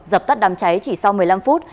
dập tắt đám cháy chỉ sau một mươi năm phút